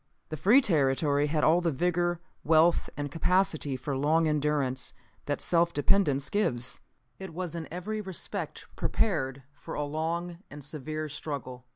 The free territory had all the vigor, wealth and capacity for long endurance that self dependence gives. It was in every respect prepared for a long and severe struggle.